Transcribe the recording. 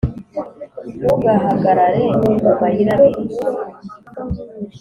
ntugahagarare mu mayirabiri